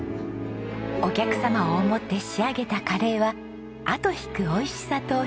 お客様を思って仕上げたカレーは「後引く美味しさ」と評判です。